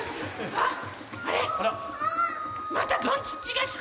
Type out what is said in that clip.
あっ！